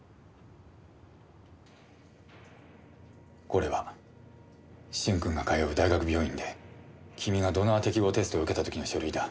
これは駿君が通う大学病院で君がドナー適合テストを受けた時の書類だ。